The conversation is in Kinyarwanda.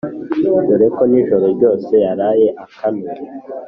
dore ko nijoro ryose yaraye akanuye,